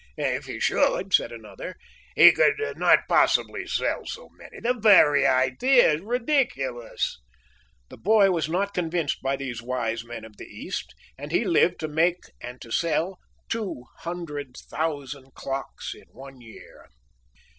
"If he should," said another, "he could not possibly sell so many. The very idea is ridiculous." The boy was not convinced by these wise men of the East, and he lived to make and to sell two hundred thousand clocks in one year!